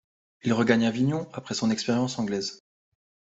Il regagne Avignon après son expérience anglaise.